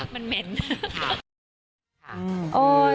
มันเหม็น